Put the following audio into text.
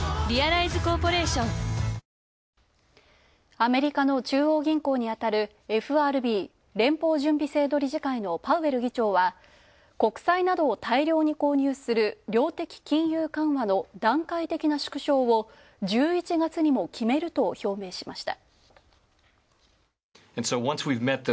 アメリカの中央銀行にあたる、ＦＲＢ＝連邦準備制度理事会のパウエル議長は、国債などを大量に購入する量的金融緩和の段階的な縮小を１１月にも決めると表明しました。